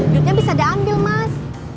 duitnya bisa dia ambil mas